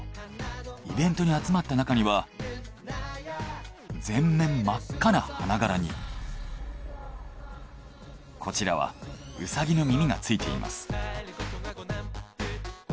イベントに集まった中には全面真っ赤な花柄にこちらはウサギの耳が付いています。